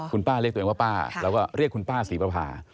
คุณป้าเรียกตัวเองว่าป้าแล้วก็เรียกคุณป้าศรีประพา